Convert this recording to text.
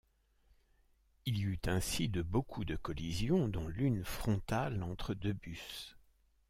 Il y eut ainsi de beaucoup de collisions dont l'une frontale entre deux bus.